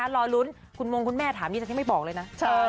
รอลุ้นคุณมงคุณแม่ถามอย่างนี้สักที่ไม่บอกเลยนะ